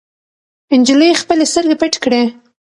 نجلۍ خپلې سترګې پټې کړې.